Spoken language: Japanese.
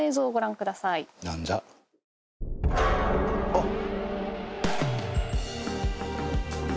あっ。